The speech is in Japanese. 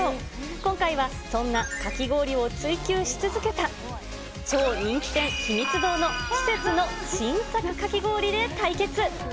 今回はそんなかき氷を追求し続けた超人気店、ひみつ堂の季節の新作かき氷で対決。